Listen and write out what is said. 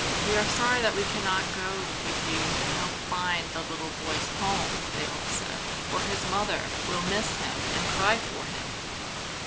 "We are sorry that we can not go with you and help find the little boy's home," they all said, "For his mother will miss him and cry for him.